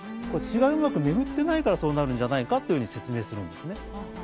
血がうまく巡ってないからそうなるんじゃないかというように説明するんですね。